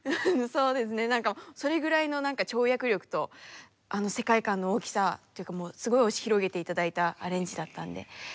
そうですね何かそれぐらいの跳躍力と世界観の大きさっていうかすごい押し広げて頂いたアレンジだったんで。